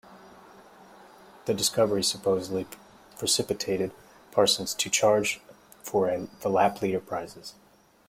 The discovery supposedly precipitated Parsons to charge for the lap leader prizes.